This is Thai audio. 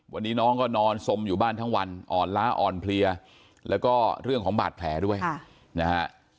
วันนี้น้องก็นอนสมอยู่บ้านทั้งวันอ่อนล้าอ่อนเพลียแล้วก็เรื่องของบาดแผลด้วยนะฮะ